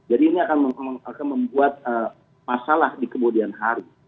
jadi ini akan membuat masalah di kemudian hari